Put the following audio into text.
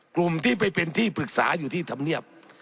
กลุ่มที่ไปเป็นที่ปรึกษาอยู่ที่ธรรมเนียบ